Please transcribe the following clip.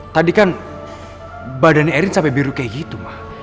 tadi kan badannya erin sampai biru kayak gitu mah